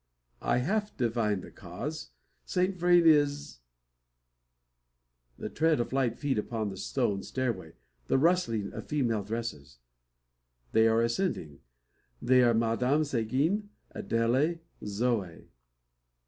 I half divine the cause. Saint Vrain is The tread of light feet upon the stone stairway the rustling of female dresses! They are ascending. They are Madame Seguin, Adele, Zoe.